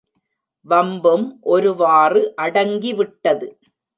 வம்பும் ஒருவாறு அடங்கிவிட்டது.